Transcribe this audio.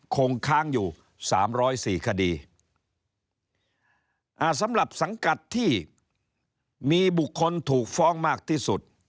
คงค้างอยู่สามร้อยสี่คดีอ่าสำหรับสังกัดที่มีบุคคลถูกฟ้องมากที่สุด